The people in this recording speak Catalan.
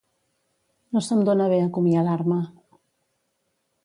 No se'm dona bé acomiadar-me.